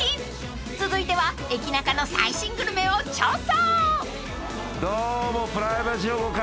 ［続いてはエキナカの最新グルメを調査］